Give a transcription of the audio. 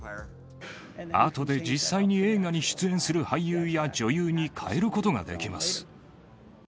あとで実際に映画に出演する俳優や女優にかえることができます。